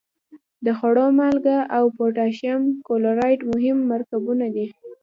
د خوړو مالګه او پوتاشیم کلورایډ مهم مرکبونه دي.